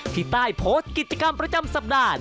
ที่ใต้โพสต์กิจกรรมประจำสัปดาห์